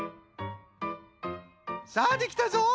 さあできたぞ。